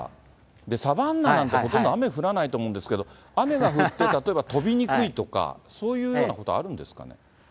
サバンナなんて、ほとんど雨降らないと思うんですけど、雨が降って、例えば飛びにくいとか、そういうようなことはあるんですかね？